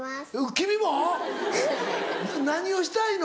君も⁉何をしたいの？